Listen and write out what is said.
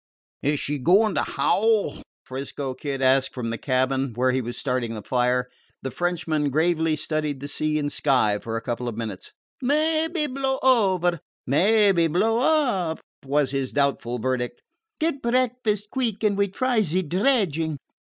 "Is she goin' to howl?" 'Frisco Kid asked from the cabin, where he was starting the fire. The Frenchman gravely studied sea and sky for a couple of minutes. "Mebbe blow over mebbe blow up," was his doubtful verdict. "Get breakfast queeck, and we try ze dredging."